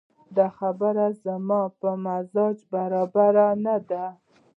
دده خبرې زما په مزاج برابرې نه دي